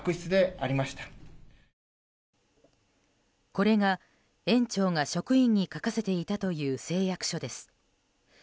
これが、園長が職員に書かせていたという誓約書です。